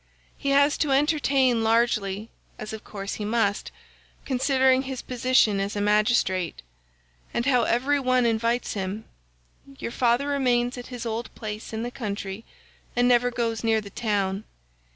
He has to entertain largely, as of course he must, considering his position as a magistrate,92 and how every one invites him; your father remains at his old place in the country and never goes near the town.